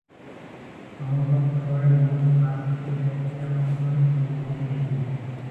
সমগ্র খেলোয়াড়ী জীবনে পাঁচটি টেস্টে অংশগ্রহণের সুযোগ পেয়েছেন তিনি।